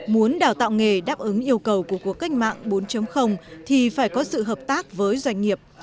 muốn đào tạo nghề đáp ứng yêu cầu của cuộc cách mạng bốn thì phải có sự hợp tác với doanh nghiệp